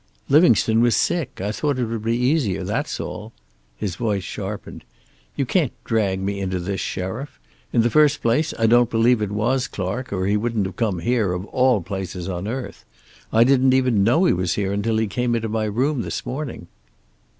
"Livingstone was sick. I thought it would be easier. That's all." His voice sharpened. "You can't drag me into this, Sheriff. In the first place I don't believe it was Clark, or he wouldn't have come here, of all places on the earth. I didn't even know he was here, until he came into my room this morning."